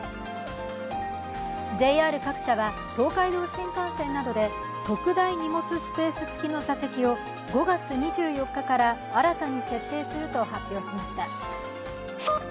ＪＲ各社は東海道新幹線などで特大荷物スペース付きの座席を５月２４日から新たに設定すると発表しました。